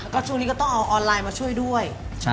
ค่ะจริงก็ต้องเอาออนไลน์มาช่วยด้วย